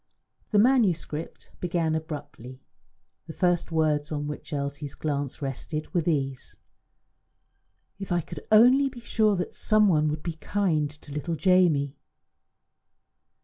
The manuscript began abruptly. The first words on which Elsie's glance rested were these: "If I could only be sure that some one would be kind to little Jamie!"